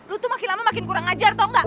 lu tuh makin lama makin kurang ngajar tau nggak